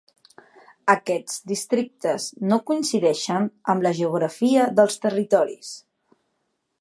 Aquests districtes no coincideixen amb la geografia dels territoris.